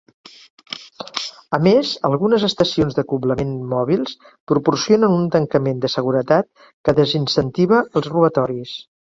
A més, algunes estacions d'acoblament mòbils proporcionen un tancament de seguretat que desincentiva els robatoris.